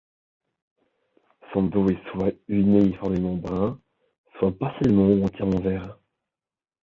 Son dos est soit uniformément brun, soit partiellement ou entièrement vert.